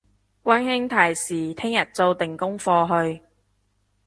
溫馨提示聽日做定功課去！